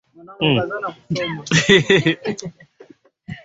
Dada amefika.